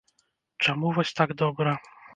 Чаму вось так добра?